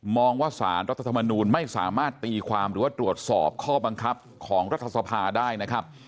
ว่าสารรัฐธรรมนูลไม่สามารถตีความหรือว่าตรวจสอบข้อบังคับของรัฐสภาได้นะครับ